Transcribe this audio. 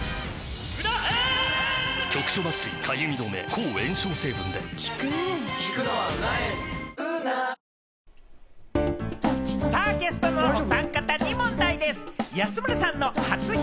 抗菌ゲストのお三方に問題です。